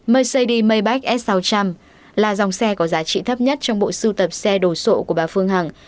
mercedes maybach s sáu trăm linh là dòng xe có giá trị thấp nhất trong bộ sưu tập xe đồ sộ của bà phương hằng